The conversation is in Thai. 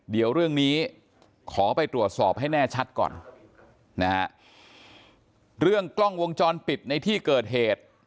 เดี๋ยวเรื่องนี้ขอไปตรวจสอบให้แน่ชัดก่อนนะฮะเรื่องกล้องวงจรปิดในที่เกิดเหตุ